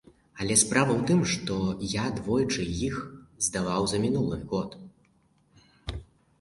Але справа ў тым, што я двойчы іх здаваў за мінулы год.